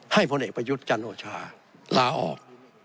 พลเอกประยุทธ์จันโอชาลาออก